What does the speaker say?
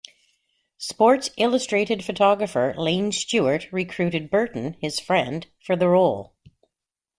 "Sports Illustrated" photographer Lane Stewart recruited Berton, his friend, for the role.